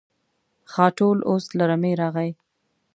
خاټول اوس له رمې راغی.